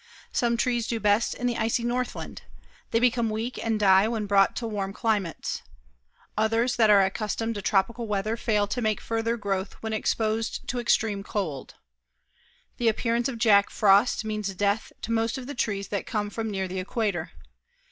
Some trees do best in the icy northland. They become weak and die when brought to warm climates. Others that are accustomed to tropical weather fail to make further growth when exposed to extreme cold. The appearance of Jack Frost means death to most of the trees that come from near the equator.